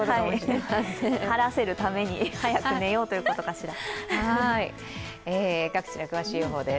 晴らせるために早く寝ようということかしら。